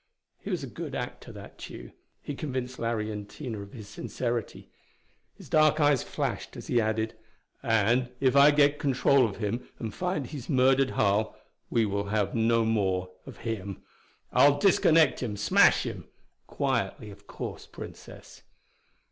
He was a good actor, that Tugh; he convinced Larry and Tina of his sincerity. His dark eyes flashed as he added, "And if I get control of him and find he's murdered Harl, we will have him no more. I'll disconnect him! Smash him! Quietly, of course, Princess."